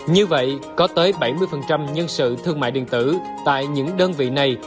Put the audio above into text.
như vậy có tới bảy mươi nhân sự thương mại điện tử tại những đơn vị này